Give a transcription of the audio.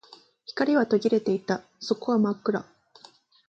光は途切れていた。底は真っ暗。